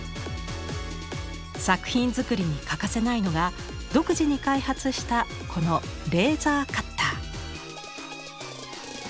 作品作りに欠かせないのが独自に開発したこのレーザーカッター。